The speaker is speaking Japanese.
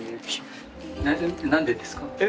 何でですか？